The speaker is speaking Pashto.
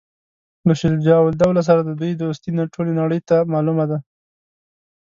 له شجاع الدوله سره د دوی دوستي ټولي نړۍ ته معلومه ده.